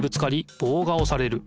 ぼうがおされる。